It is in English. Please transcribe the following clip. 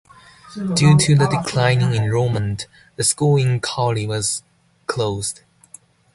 Due to the declining enrollment, the school in Cowley was closed.